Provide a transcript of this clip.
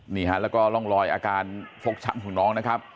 นี่ฮะแล้วก็ร่องรอยอาการฟกช้ำของน้องนะครับ